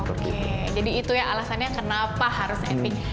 oke jadi itu alasannya kenapa harus epic